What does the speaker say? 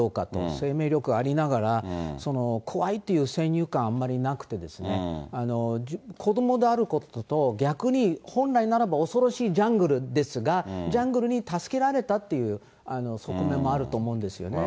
生命力ありながら、怖いっていう先入観あんまりなくてですね、子どもであることと、逆に本来ならば、恐ろしいジャングルですが、ジャングルに助けられたっていう側面もあると思うんですよね。